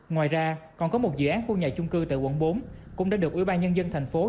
ngoài ra còn có một dự án khu nhà chung cư tại quận bốn cũng đã được ubnd tp hcm